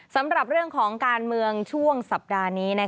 สำหรับเรื่องของการเมืองช่วงสัปดาห์นี้